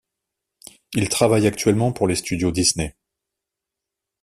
Il travaille actuellement pour les studios Disney.